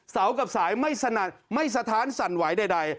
เสากับสายไม่สนัดไม่สะท้านสั่นไหวใด